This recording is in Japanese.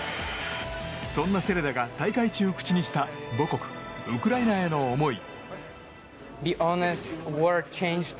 そんなセレダが大会中、口にした母国ウクライナへの思い。